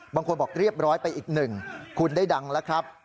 บางคนบอกเรียบร้อยไปอีกหนึ่งคุณได้ดังแล้วครับ